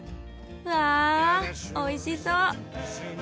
わぁおいしそう。